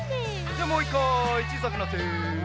じゃあもう１かいちいさくなって。